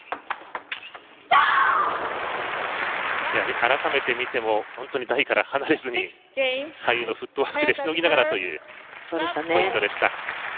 改めて見ても本当に台から離れずに左右のフットワークでしのぎながらというポイントでした。